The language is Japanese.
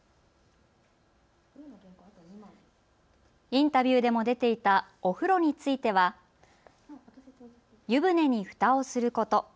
インタビューでも出ていたお風呂については、湯船にふたをすること。